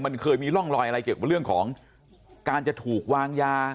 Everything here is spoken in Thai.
มันเคยมีร่องรอยอะไรเกี่ยวกับเรื่องของการจะถูกวางยา